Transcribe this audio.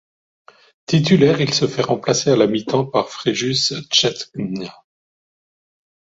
Titulaire, il se fait remplacer à la mi-temps par Fréjus Tchetgna.